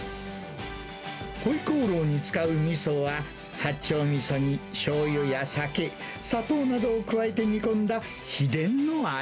ホイコーローに使うみそは、八丁みそにしょうゆや酒、砂糖などを加えて煮込んだ秘伝の味。